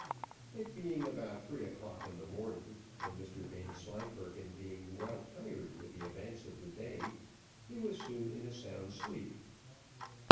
It being about three o'clock in the morning, and Mr Vanslyperken being well tired with the events of the day, he was soon in a sound sleep.